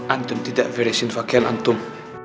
antum tidak veresin bagian antum